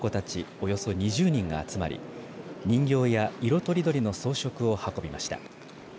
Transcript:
およそ２０人が集まり人形や色とりどりの装飾を運びました。